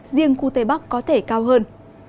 riêng khu tây bắc có thể cao hơn